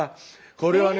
これはね